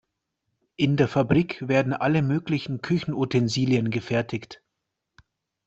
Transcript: In der Fabrik werden alle möglichen Küchenutensilien gefertigt.